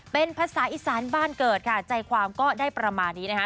เป็นภาษาอีสานบ้านเกิดค่ะใจความก็ได้ประมาณนี้นะคะ